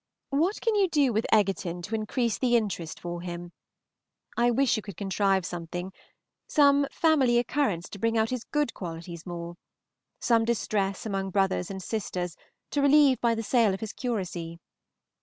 What can you do with Egerton to increase the interest for him? I wish you could contrive something, some family occurrence to bring out his good qualities more. Some distress among brothers and sisters to relieve by the sale of his curacy!